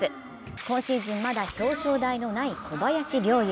今シーズン、まだ表彰台のない小林陵侑。